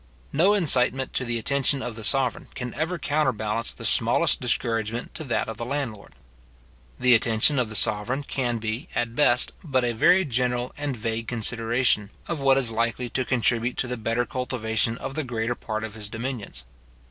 No incitement to the attention of the sovereign can ever counterbalance the smallest discouragement to that of the landlord. The attention of the sovereign can be, at best, but a very general and vague consideration of what is likely to contribute to the better cultivation of the greater part of his dominions.